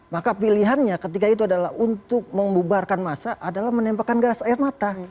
maka pilihannya ketika itu adalah untuk membubarkan masa adalah menembakkan gas air mata